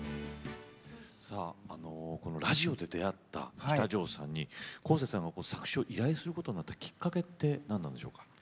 さあラジオで出会った喜多條さんにこうせつさんが作詞を依頼することになったきっかけって何なんでしょうか。